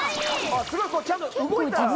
すごい！ちゃんと動いたら。